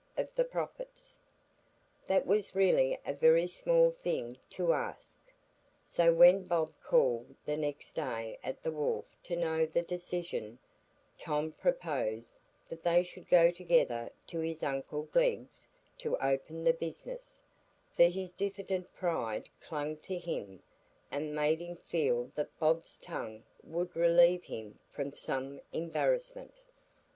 of the profits. That was really a very small thing to ask. So when Bob called the next day at the wharf to know the decision, Tom proposed that they should go together to his uncle Glegg's to open the business; for his diffident pride clung to him, and made him feel that Bobs' tongue would relieve him from some embarrassment.